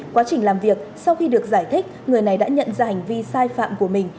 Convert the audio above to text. quá trình làm việc sau khi được giải thích người này đã nhận ra hành vi sai phạm của mình